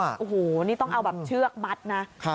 โอ้โหนี่ต้องเอาแบบเชือกมัดนะ